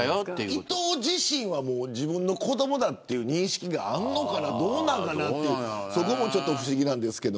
イトウ自身は自分の子どもという認識があるのかなどうなのかなというのも不思議ですけど。